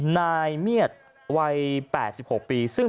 นายเมียดวัย๘๖ปีซึ่ง